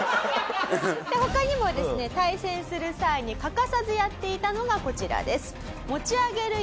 他にもですね対戦する際に欠かさずやっていたのがこちらです。